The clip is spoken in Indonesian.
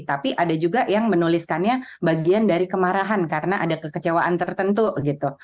tapi ada juga yang menuliskannya bagian dari kemarahan karena ada kekecewaan tertentu gitu